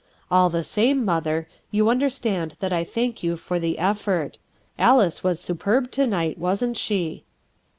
All the same, mother, you under stand that I thank you for the effort. Alice was superb to night, wasn't she?"